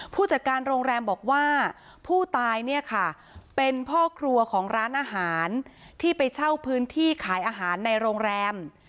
ผู้จัดการโรงแรมบอกว่าผู้ตายเนี่ยค่ะเป็นพ่อครัวของร้านอาหารที่ไปเช่าพื้นที่ขายอาหารในโรงแรม